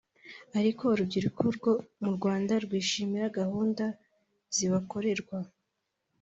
Ariko urubyiruko rwo mu Rwanda rwishimira gahunda zibakorerwa